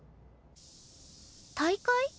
大会？